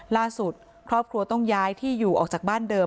ล่าสุดครอบครัวต้องย้ายที่อยู่ออกจากบ้านเดิม